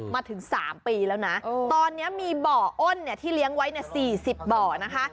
มาถึง๓ปีแล้วนะตอนนี้มีบ่ออ้นที่เลี้ยงไว้๔๐บ่อนะคะ